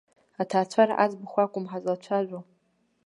Аҭаацәара аӡбахә акәым ҳазлацәажәо.